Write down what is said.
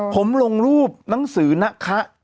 ผมลงรูปหนังสือนะคะ